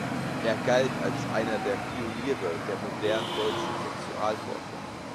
Er galt als einer der Pioniere der modernen deutschen Sexualforschung.